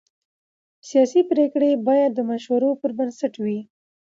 سیاسي پرېکړې باید د مشورو پر بنسټ وي